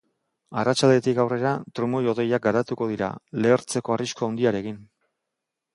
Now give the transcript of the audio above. Arratsaldetik aurrera, trumoi-hodeiak garatuko dira, lehertzeko arrisku handiarekin.